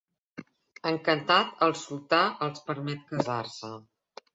Encantat, el sultà els permet casar-se.